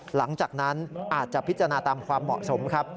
หลังจากนั้นอาจจะพิจารณาตามความเหมาะสมครับ